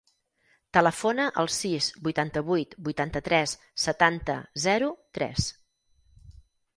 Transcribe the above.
Telefona al sis, vuitanta-vuit, vuitanta-tres, setanta, zero, tres.